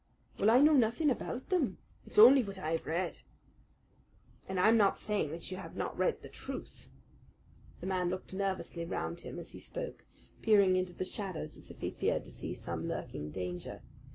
"Well, I know nothing about them. It's only what I have read." "And I'm not saying that you have not read the truth." The man looked nervously round him as he spoke, peering into the shadows as if he feared to see some lurking danger.